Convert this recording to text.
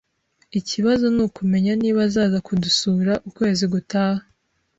Ikibazo nukumenya niba azaza kudusura ukwezi gutaha